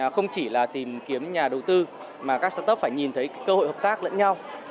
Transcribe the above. không chỉ là tìm kiếm nhà đầu tư mà các start up phải nhìn thấy cơ hội hợp tác lẫn nhau